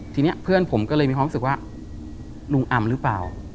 ทีนี้เพื่อนผมก็เลยมีความรู้สึกว่าลุงอำหรือเปล่า